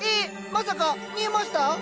まさか見えました？